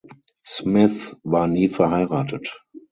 Smith war nie verheiratet.